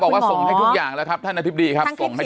คุณเอบอกว่าส่งให้ทุกอย่างแล้วครับท่านอธิบดีครับส่งให้ทุกอย่างแล้ว